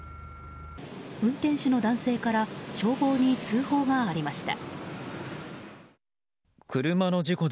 運転手の男性から消防に通報がありました。